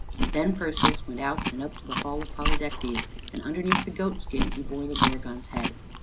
Then Perseus went out and up to the hall of Polydectes, and underneath the goat skin he bore the Gorgon's head.